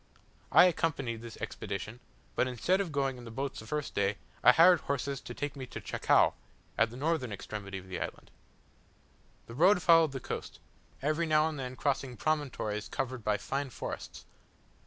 I accompanied this expedition, but instead of going in the boats the first day, I hired horses to take me to Chacao, at the northern extremity of the island. The road followed the coast; every now and then crossing promontories covered by fine forests.